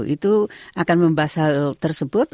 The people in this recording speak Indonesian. itu akan membahas hal tersebut